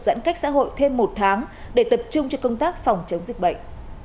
giãn cách xã hội thêm một tháng để tập trung cho công tác phòng chống dịch bệnh